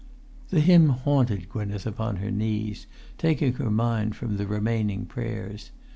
." The hymn haunted Gwynneth upon her knees, taking her mind from the remaining prayers.